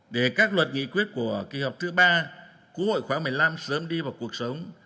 để các luật nghị quyết của kỳ họp thứ ba quốc hội khóa một mươi năm sớm đi vào cuộc sống